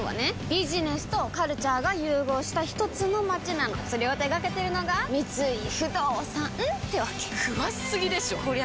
ビジネスとカルチャーが融合したひとつの街なのそれを手掛けてるのが三井不動産ってわけ詳しすぎでしょこりゃ